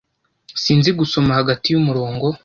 Sinzi gusoma hagati yumurongo.